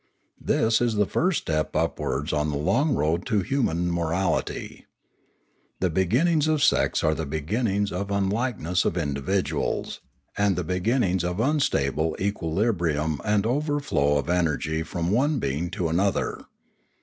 This is the first step upwards on the long road to human morality. The beginnings of sex are the beginnings of unlikeness of individuals, and the beginnings of unstable equilibrium and of overflow of energy from one being into another.